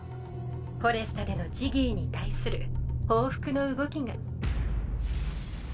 フォレスタでのジギーに対する報復の動きが。